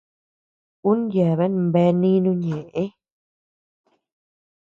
Ú yeaben bea nínu ñeʼë.